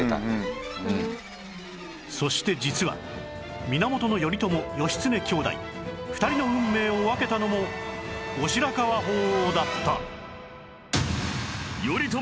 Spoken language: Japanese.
そして実は源頼朝・義経兄弟２人の運命を分けたのも後白河法皇だった